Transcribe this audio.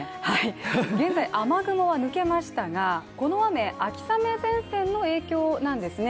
現在、雨雲は抜けましたがこの雨、秋雨前線の影響なんですね。